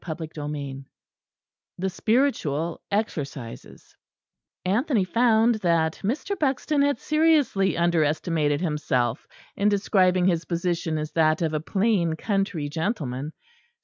CHAPTER XIII THE SPIRITUAL EXERCISES Anthony found that Mr. Buxton had seriously underestimated himself in describing his position as that of a plain country gentleman.